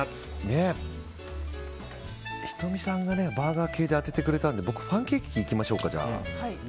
仁美さんがバーガー系で当ててくれたので僕パンケーキいきましょうか。